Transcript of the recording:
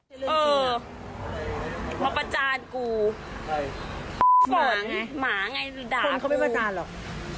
เออมาประจานกูหมาไงหมาไงด่าหมาเขาไม่ประจานหรอก